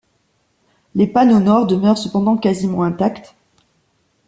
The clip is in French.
Les panneaux nord demeurent cependant quasiment intacts.